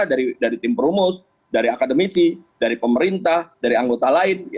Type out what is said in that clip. dari tim perumus dari akademisi dari pemerintah dari anggota lain